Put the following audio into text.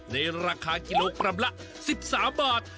ในราคากิโลกรัมละ๑๓บาท